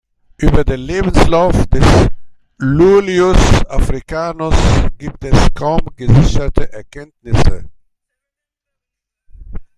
Über den Lebenslauf des Iulius Africanus gibt es kaum gesicherte Kenntnisse.